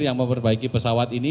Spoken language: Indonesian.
yang memperbaiki pesawat ini